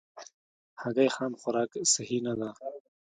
هګۍ خام خوراک صحي نه ده.